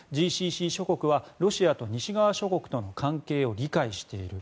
ＧＣＣ諸国はロシアと西側諸国との関係を理解している。